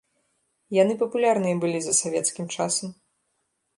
Яны папулярныя былі за савецкім часам.